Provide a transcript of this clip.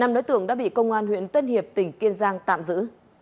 năm đối tượng đã bị công an huyện tân hiệp tỉnh kiên giang tạm giữ